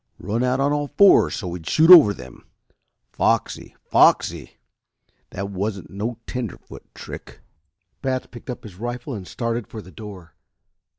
Run out on all fours so we'd shoot over them. Foxy, foxy! That wasn't no tenderfoot trick." Batts picked up his rifle and started for the door.